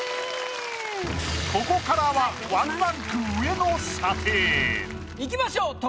ここからはいきましょう。